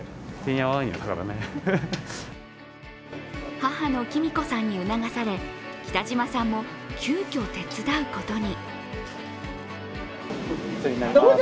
母のきみ子さんに促され北島さんも急きょ手伝うことに。